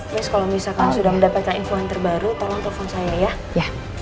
yes kalau misalkan sudah mendapatkan info yang terbaru tolong telepon saya ya